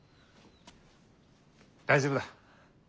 大丈夫だ。